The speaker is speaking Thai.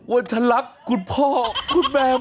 ว่าฉันรักคุณพ่อคุณแม่